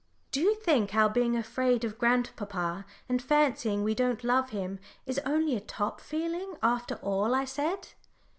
"Do you think our being afraid of grandpapa and fancying we don't love him is only a top feeling after all?" I said.